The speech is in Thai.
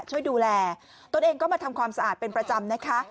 ช่วยดูแลตัวเองก็มาทำความสะอาดเป็นประจำนะคะ